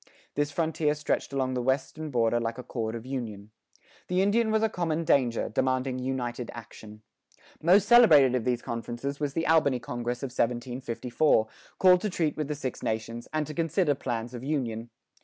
This frontier stretched along the western border like a cord of union. The Indian was a common danger, demanding united action. Most celebrated of these conferences was the Albany congress of 1754, called to treat with the Six Nations, and to consider plans of union.